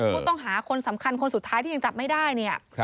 ผู้ต้องหาคนสำคัญคนสุดท้ายที่ยังจับไม่ได้เนี่ย